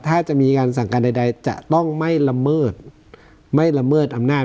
ถ้าจะมีการสั่งการใดจะต้องไม่ละเมิดไม่ละเมิดอำนาจ